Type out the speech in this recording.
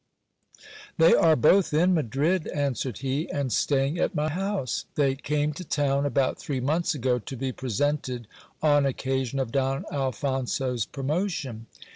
They are both in Madrid, answered he, and staying at my house. They tame to town about three months ago, to be presented on occasion of Don Alphonso's promotion.